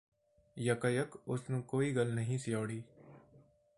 ਯਕਾਯਕ ਉਸ ਨੂੰ ਕੋਈ ਗੱਲ ਨਹੀਂ ਸੀ ਅਹੁੜੀ